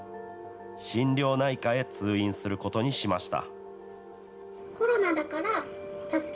心療内科へ通院することにしました。